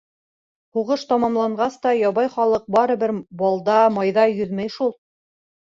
Һуғыш тамамланғас та ябай халыҡ барыбер балда, майҙа йөҙмәй шул.